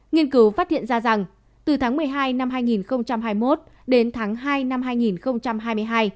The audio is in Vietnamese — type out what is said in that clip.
nghiên cứu phát hiện ra rằng từ tháng một mươi hai năm hai nghìn hai mươi một đến tháng hai năm hai nghìn hai mươi hai